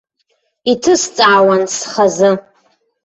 Иҭысҵаауан схазы.